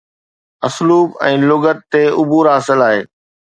اسلوب ۽ لغت تي عبور حاصل آهي